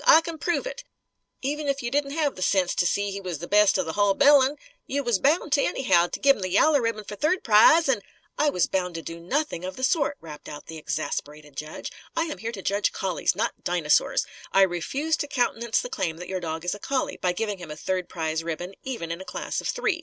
I c'n prove it. Even if you didn't have the sense to see he was the best of the hull bilin', you was bound, anyhow, to give him the yaller ribbon fer third prize. An " "I was bound to do nothing of the sort!" rapped out the exasperated judge. "I am here to judge collies, not dinosaurs. I refuse to countenance the claim that your dog is a collie, by giving him a third prize ribbon; even in a class of three.